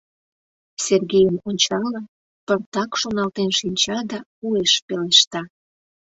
Сергейым ончалын, пыртак шоналтен шинча да уэш пелешта.